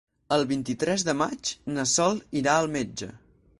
El vint-i-tres de maig na Sol irà al metge.